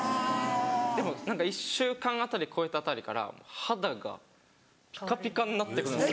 でも何か１週間あたり超えたあたりから肌がピカピカになってくるんです。